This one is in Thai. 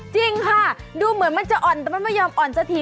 จริงค่ะดูเหมือนมันจะอ่อนแต่มันไม่ยอมอ่อนสักที